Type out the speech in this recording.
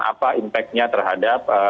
apa impact nya terhadap daya beli